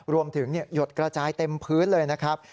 หยดกระจายเต็มพื้นเลยนะครับ